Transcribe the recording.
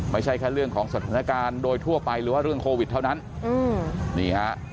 ไม่ใช่แค่เรื่องของสถานการณ์โดยทั่วไปหรือว่าเรื่องโควิดเท่านั้นอืมนี่ฮะ